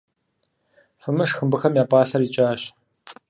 Фымышх, мыбыхэм я пӏалъэр икӏащ.